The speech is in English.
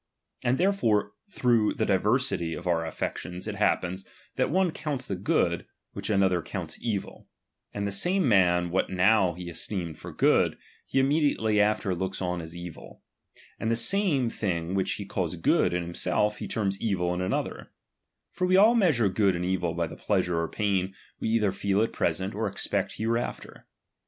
And therefore through the diversity of our affections it happens, that one counts that good, which another counts evil ; and the same man what now he esteemed for good, he immediately after looks on as evil : and the same thing which he calls good in himself, he terms evil in another, For we all measure good and evil by the pleasure or pain we either feel at present, or expect here after.